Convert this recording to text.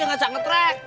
enggak janget rek